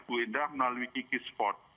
bu indah melalui kikisport